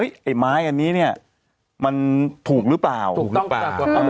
เฮ้ยไอ้ไม้อันนี้เนี่ยมันถูกหรือเปล่าถูกต้องถูกต้องถูกต้อง